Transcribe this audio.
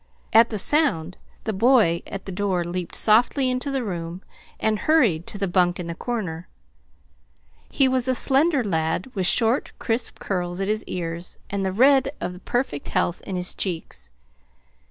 At the sound the boy at the door leaped softly into the room and hurried to the bunk in the corner. He was a slender lad with short, crisp curls at his ears, and the red of perfect health in his cheeks.